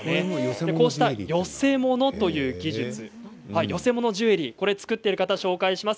こうした、よせものという技術よせものジュエリーを作っている方を紹介します。